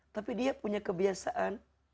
tapi dia punya kebiasaan